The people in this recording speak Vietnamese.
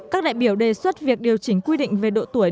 các đại biểu đề xuất việc điều chỉnh quy định về độ tuổi